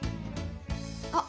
あっ